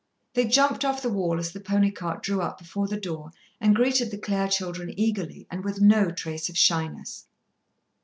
They jumped off the wall as the pony cart drew up before the door and greeted the Clare children eagerly, and with no trace of shyness.